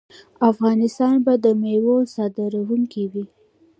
افغانستان به د میوو صادروونکی وي.